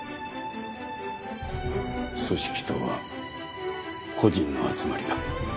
組織とは個人の集まりだ。